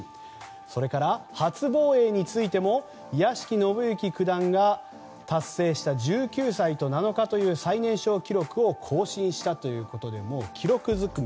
それから初防衛についても屋敷伸之九段が達成した１９歳と７日という最年少記録を更新したということで記録ずくめ。